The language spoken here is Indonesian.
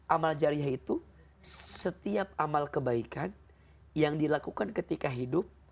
amal jariah itu setiap amal kebaikan yang dilakukan ketika hidup